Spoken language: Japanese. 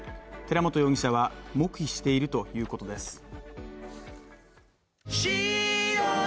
寺本容疑者は黙秘しているということです。